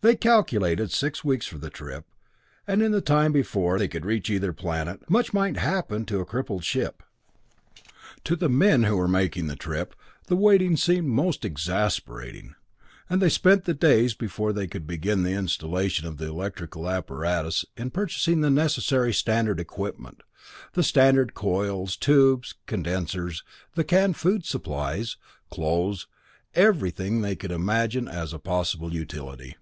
They calculated six weeks for the trip, and in the time before they could reach either planet, much might happen to a crippled ship. To the men who were making the trip, the waiting seemed most exasperating, and they spent the days before they could begin the installation of the electrical apparatus in purchasing the necessary standard equipment; the standard coils, tubes, condensers, the canned food supplies, clothes, everything that they could imagine as of possible utility.